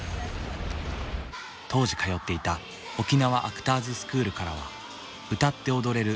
当時通っていた沖縄アクターズスクールからは歌って踊れる